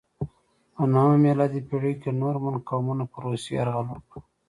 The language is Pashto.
په نهمه میلادي پیړۍ کې نورمن قومونو پر روسیې یرغل وکړ.